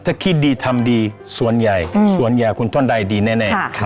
ถ้าคิดดีธรรมดีส่วนใหญ่ส่วนใหญ่คุณท่อนโดยดีแน่ค่ะ